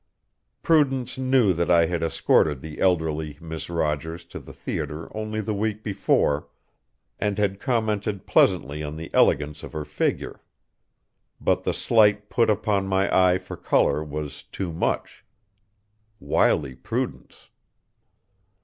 Prudence knew that I had escorted the elderly Miss Rogers to the theatre only the week before, and had commented pleasantly on the elegance of her figure. But the slight put upon my eye for color was too much. Wily Prudence!